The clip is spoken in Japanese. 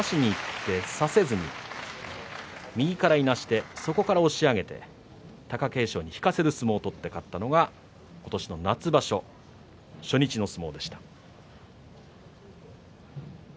差しにいって差せずに右からいなしてそこから押し上げて貴景勝に引かせる相撲を取って勝ったのが今年の夏場所でした。